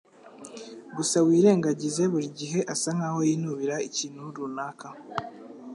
Gusa wirengagize Buri gihe asa nkaho yinubira ikintu runaka.